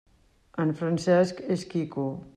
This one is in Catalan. En Francesc és quico.